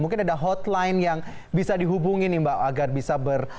mungkin ada hotline yang bisa dihubungi nih mbak agar bisa ber